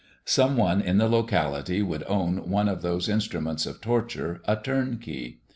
Some one in the locality would own one of those instruments of torture, a turn key.